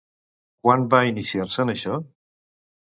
Quan va iniciar-se en això?